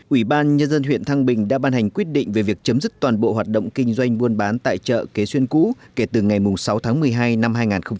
ủy ban nhân dân huyện thăng bình đã ban hành quyết định về việc chấm dứt toàn bộ hoạt động kinh doanh buôn bán tại chợ kế xuân cũ kể từ ngày sáu tháng một mươi hai năm hai nghìn một mươi chín